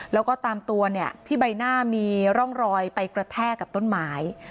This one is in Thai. แล้วก็ตามตัวเนี่ยที่ใบหน้ามีร่องรอยไปกระแทกกับต้นไม้